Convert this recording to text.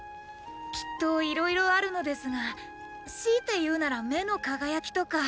きっといろいろあるのですがしいて言うなら目の輝きとか。